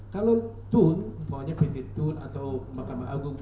kalau tun pokoknya pt tun atau mahkamah agung